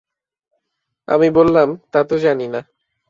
আমি বললাম, তা তো জানি না।